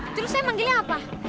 terus saya manggilnya apa